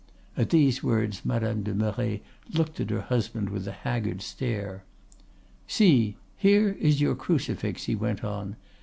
'—At these words Madame de Merret looked at her husband with a haggard stare.—'See, here is your crucifix,' he went on.